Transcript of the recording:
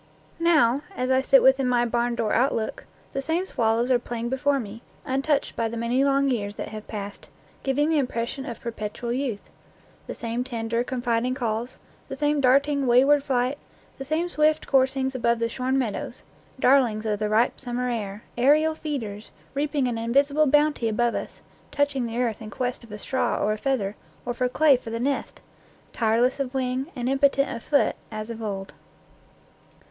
Now, as I sit within my barn door outlook, the same swallows are playing before me, untouched by the many long years that have passed, giving the impression of perpetual youth; the same tender, confiding calls, the same darting, wayward flight, the same swift coursings above the shorn meadows; darlings of the ripe summer air, aerial feeders, reaping an invisible bounty above us, touching the earth in quest of a straw or a feather, or for clay for the nest, tireless of wing, and impotent of foot, as of old.